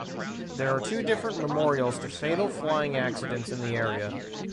There are two different memorials to fatal flying accidents in the area.